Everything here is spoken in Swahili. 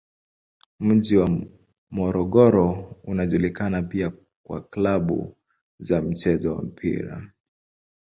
Mji wa Morogoro unajulikana pia kwa klabu za mchezo wa mpira.